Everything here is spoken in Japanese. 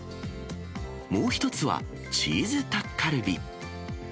もう一つは、チーズタッカルビ。